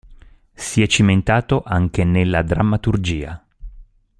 Si è cimentato anche nella drammaturgia.